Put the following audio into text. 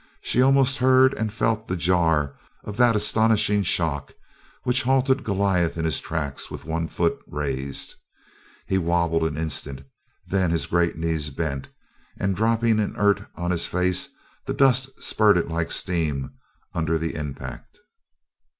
She almost heard and felt the jar of that astonishing shock which halted Goliath in his tracks with one foot raised. He wobbled an instant, then his great knees bent, and dropping inert on his face the dust spurted like steam under the impact.